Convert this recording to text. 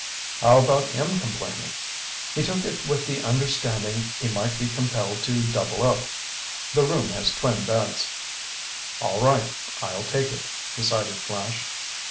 "How about him complaining?" "He took it with the understanding he might be compelled to double up. The room has twin beds." "All right, I'll take it," decided Flash.